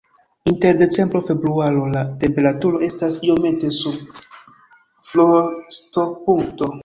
Inter decembro-februaro la temperaturo estas iomete sub frostopunkto.